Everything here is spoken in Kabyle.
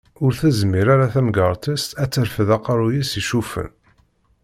Ur tezmir ara temgerṭ-is ad terfeḍ aqerru-s icuffen.